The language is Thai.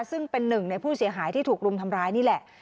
ซึ่งเป็นหนึ่งในผู้เสียหายที่ถูกรุมทำร้ายนี่แหละ